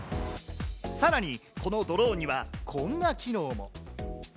さらに、このドローンにはこんな機能も。